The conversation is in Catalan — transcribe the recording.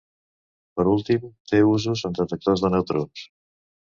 Per últim, té usos en detectors de neutrons.